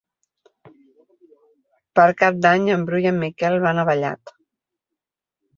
Per Cap d'Any en Bru i en Miquel van a Vallat.